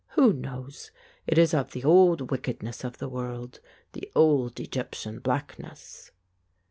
Who knows? It is of the old wickedness of the world, the old Egyptian blackness."